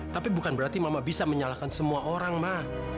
tapi bukan berarti mama bisa menyalahkan semua orang mah